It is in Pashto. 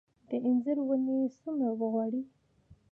د انځر ونې څومره اوبه غواړي؟